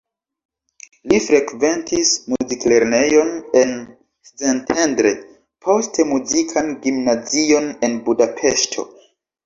Li frekventis muziklernejon en Szentendre, poste muzikan gimnazion en Budapeŝto.